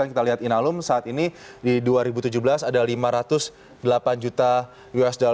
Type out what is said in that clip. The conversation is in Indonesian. kita lihat inalum saat ini di dua ribu tujuh belas ada lima ratus delapan juta usd